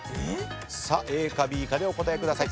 ＡかＢかでお答えください。